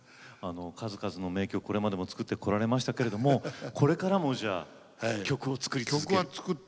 数々の名曲、これまでも作ってこられましたけれどもこれからも曲を作り続ける。